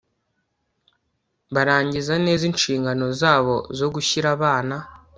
barangiza neza inshingano zabo zo gushyira abana